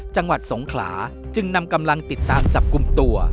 จังหวัดสงขลาจึงนำกำลังติดตามจับกลุ่มตัว